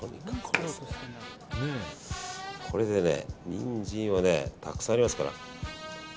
これでね、ニンジンをねたくさんありますから。